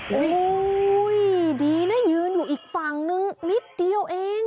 โอ้โหดีนะยืนอยู่อีกฝั่งนึงนิดเดียวเอง